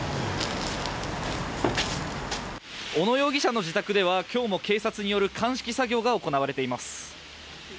小野容疑者の自宅では今日も警察による鑑識作業が行われています。